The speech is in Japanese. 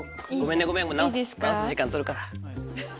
ごめん直す時間取るから。